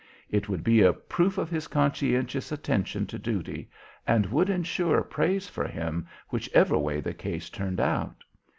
It would be a proof of his conscientious attention to duty, and would insure praise for him, whichever way the case turned out.